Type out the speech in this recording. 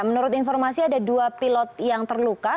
menurut informasi ada dua pilot yang terluka